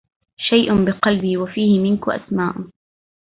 شيء بقلبي وفيه منك أسماء